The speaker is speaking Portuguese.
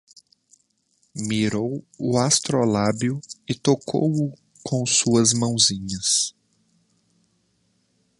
Mirou o astrolábio e tocou-o com suas mãozinhas